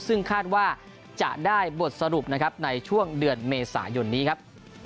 ซึ่งคาดว่าจะได้บทสรุปนะครับในช่วงเดือนเมษายนนี้ครับ